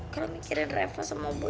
kalau mikirin rempong sama boy